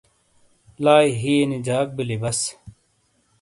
لائی ہئیے نی جاک بِیلی بس ۔